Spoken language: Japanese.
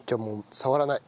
触らない。